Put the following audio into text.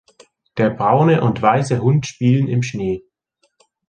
Der braune und weiße Hund spielen im Schnee